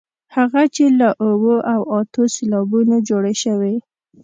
هغه چې له اوو او اتو سېلابونو جوړې شوې.